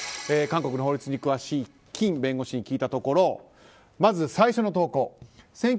韓国の法律に詳しい金弁護士に聞いたところまず最初の投稿。